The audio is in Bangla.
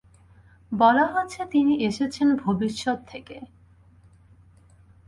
বলা হচ্ছে তিনি এসেছেন ভবিষ্যৎ থেকে।